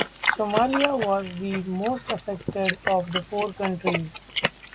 Somalia was the most affected of the four countries.